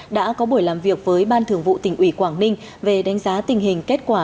đã có buổi làm việc với ban thường vụ tỉnh ủy quảng ninh về đánh giá tình hình kết quả